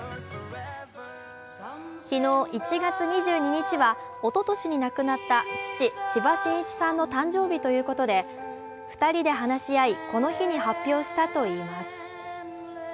昨日１月２２日はおととしに亡くなった父・千葉真一さんの誕生日ということで、２人で話し合いこの日に発表したといいます。